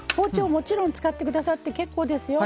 もちろん使ってくださって結構ですよ。